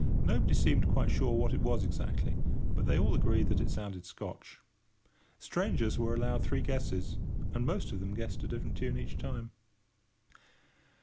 Nobody seemed quite sure what it was exactly, but they all agreed that it sounded Scotch. Strangers were allowed three guesses, and most of them guessed a different tune each time.